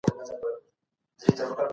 ژبپوهني څېړنیز ډګر لا هم پرانیستی دی.